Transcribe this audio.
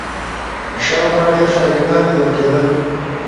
شاوخوا ډېر شاګردان لیدل کېدل.